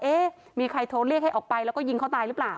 เอ๊ะมีใครโทรเรียกให้ออกไปแล้วก็ยิงเขาตายหรือเปล่า